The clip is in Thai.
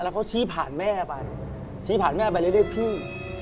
แล้วเค้าชี้ผ่านแม่ไปชี้ผ่านแม่ไปแล้วเรียกพี่